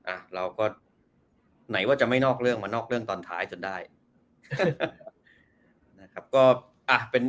อ่ะเราก็ไหนว่าจะไม่นอกเรื่องมานอกเรื่องตอนท้ายจนได้นะครับ